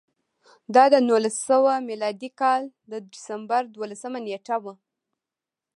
دا د نولس سوه میلادي کال د ډسمبر دولسمه نېټه وه